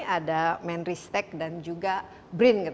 ada man riset tech dan juga brin